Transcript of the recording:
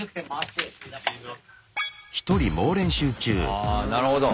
ああなるほど。